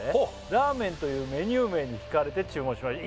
「ラーメンというメニュー名にひかれて注文しました」